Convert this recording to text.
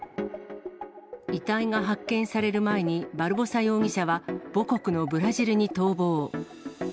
遺体が発見される前にバルボサ容疑者は、母国のブラジルに逃亡。